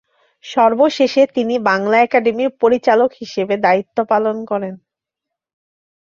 সর্বশেষে তিনি বাংলা একাডেমির পরিচালক হিসেবে দায়িত্ব পালন করেন।